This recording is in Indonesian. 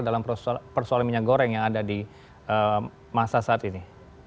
dalam persoalan minyak goreng yang ada di masa saat ini